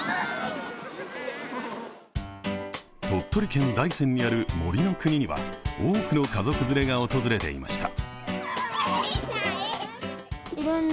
鳥取県大山にある森の国には多くの家族連れが訪れていました。